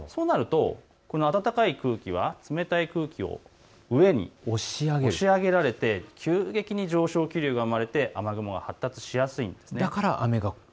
暖かい空気は冷たい空気を上に押し上げられて急激に上昇気流が生まれて雨雲が発達しやすいんです。